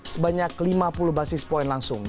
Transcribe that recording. sebanyak lima puluh basis point langsung